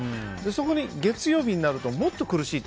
そこに月曜日になるともっと苦しい。